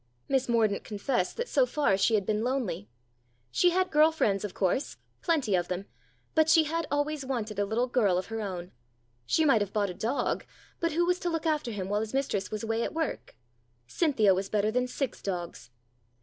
Miss Mordaunt confessed that so far she had been lonely. She had girl friends, of course plenty of them but she had always wanted a little girl of her own. She might have bought a dog, but who was to look after him while his mistress was away at work ? Cynthia was better than six dogs.